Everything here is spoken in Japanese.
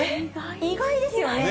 意外ですよね。